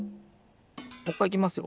もっかいいきますよ。